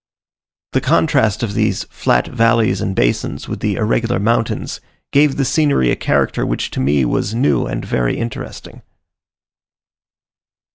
The contrast of these flat valleys and basins with the irregular mountains, gave the scenery a character which to me was new and very interesting.